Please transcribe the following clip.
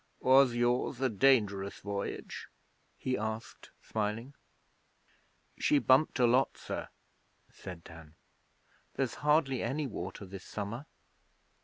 'Was yours a dangerous voyage?' he asked, smiling. 'She bumped a lot, sir,' said Dan. 'There's hardly any water this summer.'